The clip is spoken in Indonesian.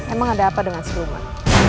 emang ada apa dengan sebelumnya